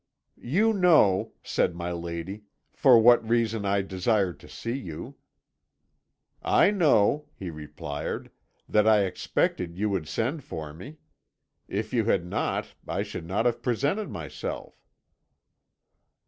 "'You know,' said my lady, 'for what reason I desired to see you.' "'I know,' he replied,' that I expected you would send for me. If you had not, I should not have presented myself.'